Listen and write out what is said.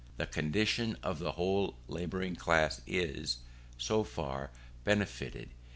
The condition of the whole labouring class is, so far, benefited.